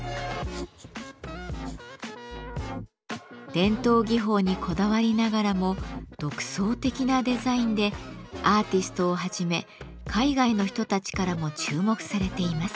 伝統技法にこだわりながらも独創的なデザインでアーティストをはじめ海外の人たちからも注目されています。